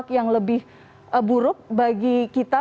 berikan gejala atau dampak yang lebih buruk bagi kita